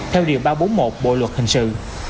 theo điều ba trăm bốn mươi một bộ luật hình sự